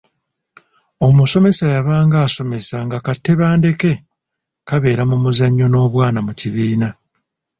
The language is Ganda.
Omusomesa yabanga asomesa nga ka Tebandeke kabeere mu muzannyo n’obwana mu kibiina.